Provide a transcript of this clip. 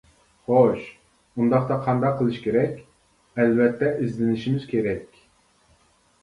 خوش، ئۇنداقتا قانداق قىلىش كېرەك؟ ئەلۋەتتە ئىزدىنىشىمىز كېرەك.